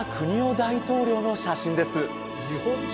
大統領の写真です